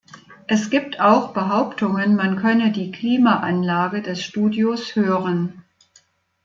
Es gibt auch Behauptungen, man könne die Klimaanlage des Studios hören.